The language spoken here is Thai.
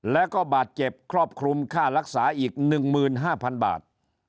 แล้วก็บาดเจ็บครอบคลุมค่ารักษาอีก๑๕๐๐๐บาท